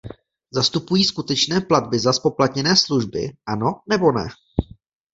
Zastupují skutečné platby za zpoplatněné služby, ano, nebo ne?